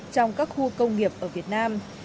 trong các khu công nghiệp ở việt nam